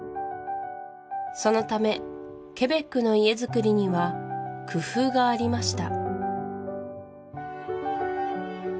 そのためケベックの家づくりには工夫がありました